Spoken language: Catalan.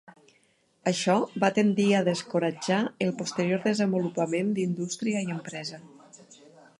Això va tendir a descoratjar el posterior desenvolupament d'indústria i empresa.